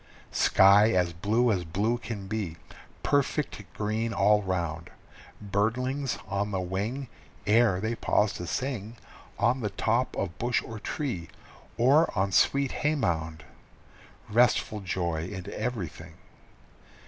Sky as blue as blue can be, perfect green all round, Birdlings on the wing Ere they pause to sing On the top of bush or tree, or on sweet hay mound Restful joy in everything!